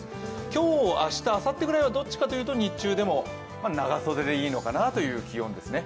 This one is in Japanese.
今日、明日、あさってぐらいはどっちかというと日中でも長袖でいいのかなという気温ですね。